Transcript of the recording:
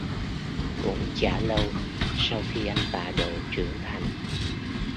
Cũng chả lâu sau khi anh tạ độ trưởng thành